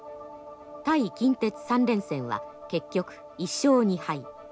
対近鉄３連戦は結局１勝２敗。